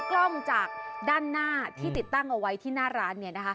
กล้องจากด้านหน้าที่ติดตั้งเอาไว้ที่หน้าร้าน